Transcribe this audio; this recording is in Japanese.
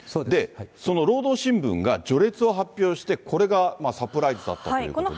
その労働新聞が序列を発表して、これがサプライズだったということで。